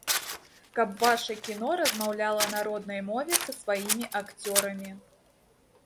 Каб ваша кіно размаўляла на роднай мове, са сваімі акцёрамі.